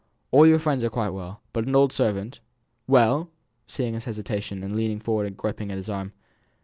All your friends are quite well; but an old servant " "Well!" she said, seeing his hesitation, and leaning forwards and griping at his arm.